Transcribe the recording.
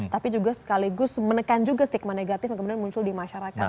tapi juga sekaligus menekan juga stigma negatif yang kemudian muncul di masyarakat